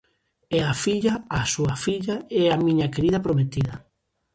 E a filla, a súa filla, é a miña querida prometida!